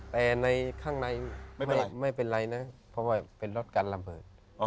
แต่ในข้างในไม่เป็นไรนะเพราะว่าเป็นรถกันระเบิด